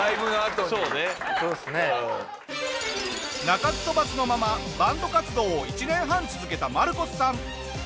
鳴かず飛ばずのままバンド活動を１年半続けたマルコスさん。